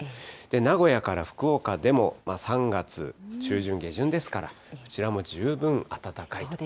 名古屋から福岡でも、３月中旬、下旬ですから、こちらも十分暖かいと。